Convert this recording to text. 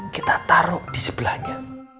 kita taruh disebelahnya